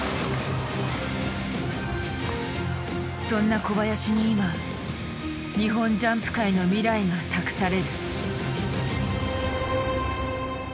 そんな小林に今日本ジャンプ界の未来が託される。